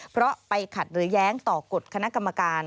เพราะไปขัดหรือแย้งต่อกฎคณะกรรมการ